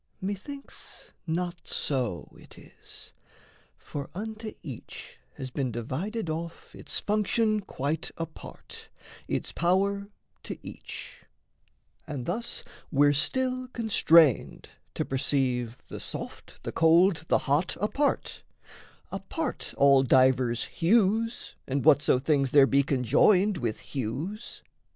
Methinks not so it is: For unto each has been divided off Its function quite apart, its power to each; And thus we're still constrained to perceive The soft, the cold, the hot apart, apart All divers hues and whatso things there be Conjoined with hues.